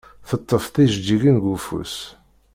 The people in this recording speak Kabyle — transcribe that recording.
Teṭṭef tijeǧǧigin deg ufus.